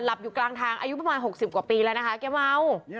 อยู่กลางทางอายุประมาณ๖๐กว่าปีแล้วนะคะแกเมา